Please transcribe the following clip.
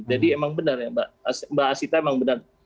jadi emang benar ya mbak asita emang benar